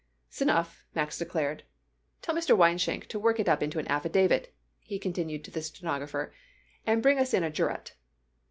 "S'enough," Max declared. "Tell, Mr. Weinschenck to work it up into an affidavit," he continued to the stenographer, "and bring us in a jurat."